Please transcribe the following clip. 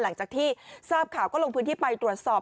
หลังจากที่ทราบข่าวก็ลงพื้นที่ไปตรวจสอบ